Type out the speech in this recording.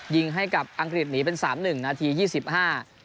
ยิงให้กับอังกฤษหนีเป็นสามหนึ่งนาทียี่สิบห้า